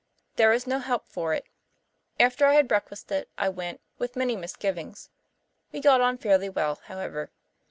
There was no help for it. After I had breakfasted I went, with many misgivings. We got on fairly well, however.